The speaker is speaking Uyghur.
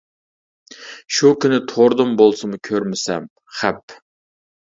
شۇ كۈنى توردىن بولسىمۇ كۆرمىسەم، خەپ!